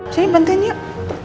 jadi bantuin yuk